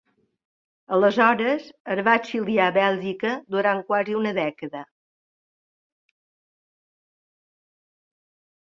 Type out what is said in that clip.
Aleshores, es va exiliar a Bèlgica durant quasi una dècada.